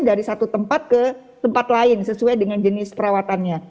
dari satu tempat ke tempat lain sesuai dengan jenis perawatannya